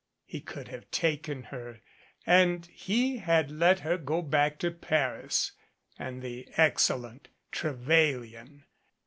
He could have taken her; and he had let her go back to Paris and the excellent Trevelyan.